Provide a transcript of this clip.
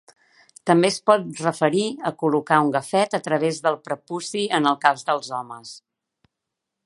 També es pot referir a col·locar un gafet a través del prepuci en el cas dels homes.